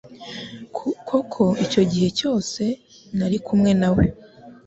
Koko icyo gihe cyose nari kumwe nawe